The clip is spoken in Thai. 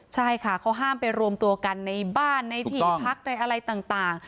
ใช่ค่ะเขาห้ามไปรวมตัวกันในบ้านในที่พักในอะไรต่าง